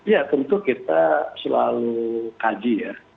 ya tentu kita selalu kaji ya